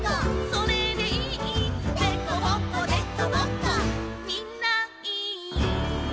「それでいい」「でこぼこでこぼこ」「みんないい」